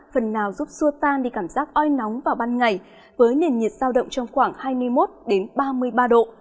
phần nào giúp xua tan đi cảm giác oi nóng vào ban ngày với nền nhiệt sao động trong khoảng hai mươi một ba mươi ba độ